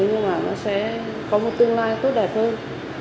nhưng mà nó sẽ có một tương lai tốt đẹp hơn